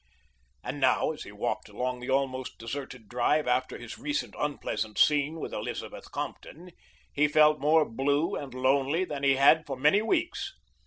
And now as he walked along the almost deserted drive after his recent unpleasant scene with Elizabeth Compton he felt more blue and lonely than he had for many weeks.